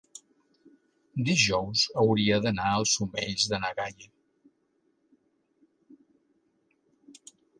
dijous hauria d'anar als Omells de na Gaia.